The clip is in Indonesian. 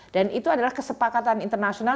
dan itu adalah kesepakatan internasional